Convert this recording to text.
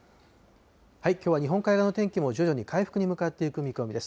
きょうは日本海側の天気も徐々に回復に向かっていく見込みです。